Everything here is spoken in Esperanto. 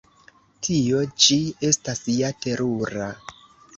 Tio ĉi estas ja terura!